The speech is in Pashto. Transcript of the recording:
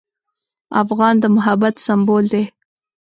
افغان د محبت سمبول دی.